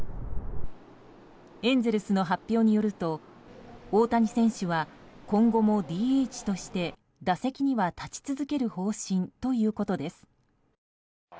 エンゼルスの発表によると大谷選手は今後もＤＨとして打席には立ち続ける方針ということです。